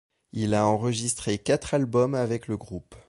Il a enregistré quatre albums avec le groupe.